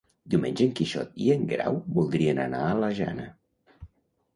Diumenge en Quixot i en Guerau voldrien anar a la Jana.